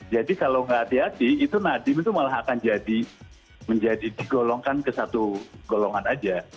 jadi kalau nggak hati hati itu nadiem itu malah akan jadi menjadi digolongkan ke satu golongan aja